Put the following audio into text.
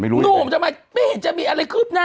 อ้าวดูน่าตาหล่อขึ้นนะ